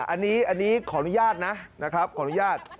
อันนี้ขออนุญาตนะ